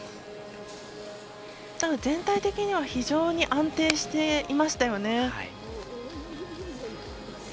全体的には非常に安定していましたよね。